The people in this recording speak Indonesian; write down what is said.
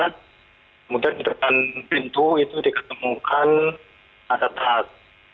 kemudian di depan pintu itu diketemukan ada tas